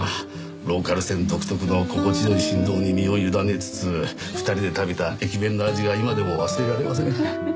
ローカル線独特の心地良い振動に身を委ねつつ２人で食べた駅弁の味が今でも忘れられません。